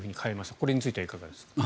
これについてはいかがですか。